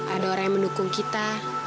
ada orang yang mendukung kita